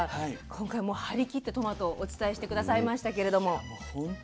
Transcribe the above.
今回も張り切ってトマトをお伝えして下さいましたけれども。